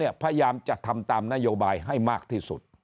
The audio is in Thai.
พยายามจะทำตามนโยบายให้มากที่สุด